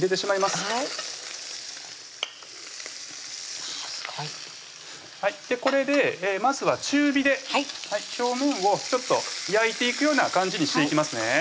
はいすごいこれでまずは中火で表面を焼いていくような感じにしていきますね